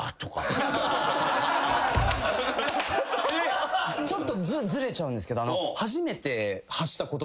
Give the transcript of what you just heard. ちょっとずれちゃうんですけど。